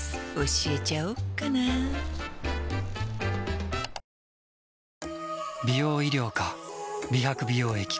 教えちゃおっかな届け。